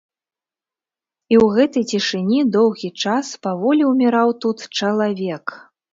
І ў гэтай цішыні доўгі час, паволі ўміраў тут чалавек.